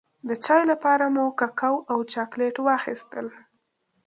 د چای لپاره مو ککو او چاکلېټ واخيستل.